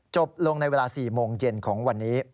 จบลงในเวลา๔โมงเย็นของวันนี้